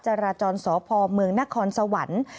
จราจรสพเมืองนครสวรรค์